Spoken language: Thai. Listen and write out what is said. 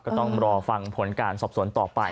ก็ต้องรอฟังผลการสอบสวนต่อไป